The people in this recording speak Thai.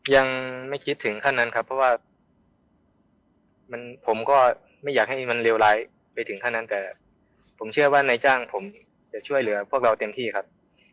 ยังไม่คิดถึงขั้นนั้นครับเพราะว่าผมก็ไม่อยากให้มันเลวร้ายไปถึงขั้นนั้นแต่ผมเชื่อว่านายจ้างผมจะช่วยเหลือพวกเราเต็มที่ครับ